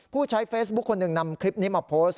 ผู้ใช้เฟซบุ๊คคนหนึ่งนำคลิปนี้มาโพสต์